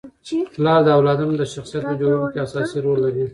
پلار د اولادونو د شخصیت په جوړولو کي اساسي رول لري.